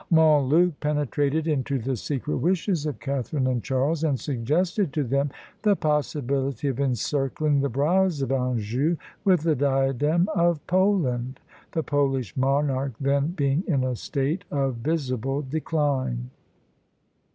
Montluc penetrated into the secret wishes of Catharine and Charles, and suggested to them the possibility of encircling the brows of Anjou with the diadem of Poland, the Polish monarch then being in a state of visible decline.